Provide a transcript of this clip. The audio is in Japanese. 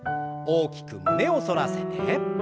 大きく胸を反らせて。